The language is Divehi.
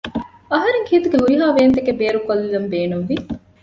އަހަރެންގެ ހިތުގެ ހުރިހާވޭންތަކެއް ބޭރުކޮއްލަން ބޭނުންވި